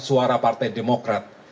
suara partai demokrat